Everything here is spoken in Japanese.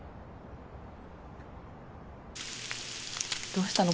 どうしたの？